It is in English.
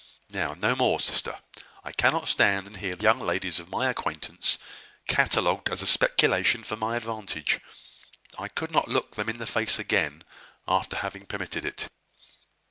Now, no more, sister! I cannot stand and hear the young ladies of my acquaintance catalogued as a speculation for my advantage. I could not look them in the face again after having permitted it."